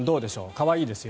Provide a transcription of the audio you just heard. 可愛いですよ。